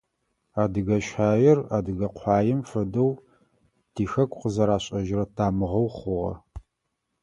Адыгэ щаир адыгэ къуаем фэдэу тихэку къызэрашӏэжьрэ тамыгъэу хъугъэ.